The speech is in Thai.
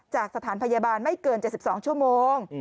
จากสถานพยาบาลไม่เกิน๗๒ชั่วโมง